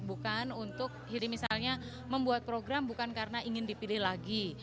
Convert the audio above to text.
bukan untuk jadi misalnya membuat program bukan karena ingin dipilih lagi